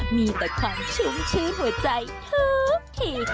มีแต่ความชุ่มชื้นหัวใจทุกที